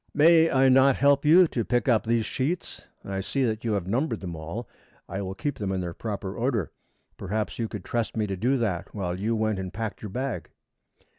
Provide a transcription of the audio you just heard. "May I not help you to pick up these sheets? I see that you have numbered them all. I will keep them in their proper order. Perhaps you could trust me to do that while you went and packed your bag?"